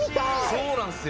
そうなんですよ。